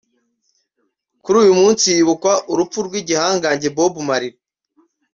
Kuri uyu munsi hibukwa urupfu rw’igihangange Bob Marley